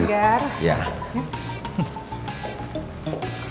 mari pak regar